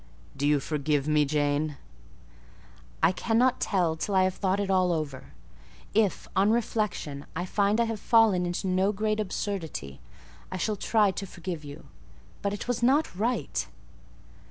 "Do you forgive me, Jane?" "I cannot tell till I have thought it all over. If, on reflection, I find I have fallen into no great absurdity, I shall try to forgive you; but it was not right."